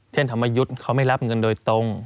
ธรรมยุทธ์เขาไม่รับเงินโดยตรง